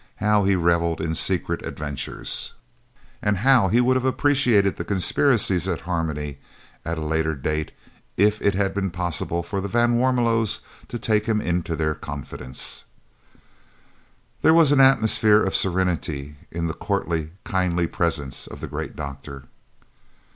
How he revelled in secret adventures, and how he would have appreciated the conspiracies at Harmony, at a later date, if it had been possible for the van Warmelos to take him into their confidence! There was an atmosphere of serenity in the courtly, kindly presence of the great doctor.